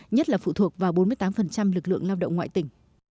nhất là phụ thuộc vào bốn mươi tám lực lượng lao động ngoại tỉnh